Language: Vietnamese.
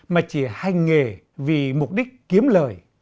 mà chỉ hành nghề vì mục đích kiếm lời